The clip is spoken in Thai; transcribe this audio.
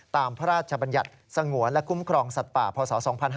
พระราชบัญญัติสงวนและคุ้มครองสัตว์ป่าพศ๒๕๕๙